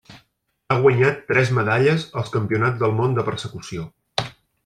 Ha guanyat tres medalles als Campionats del món de Persecució.